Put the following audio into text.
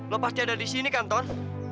lo pasti ada di sini kan ton